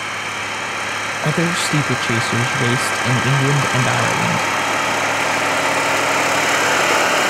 Other steeplechasers raced in England and Ireland.